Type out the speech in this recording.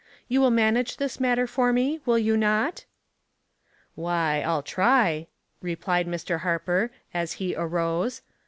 You will manage tbis matter for me, will you not? " "Why, I'll try," replied Mr. Harper, as he arose.